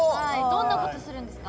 どんな事するんですか？